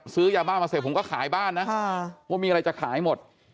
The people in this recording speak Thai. ซื้อยาบ้ามาเสร็จผมก็ขายบ้านนะว่ามีอะไรจะขายหมด